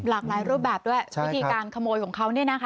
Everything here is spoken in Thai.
หลากหลายรูปแบบด้วยวิธีการขโมยของเขาเนี่ยนะคะ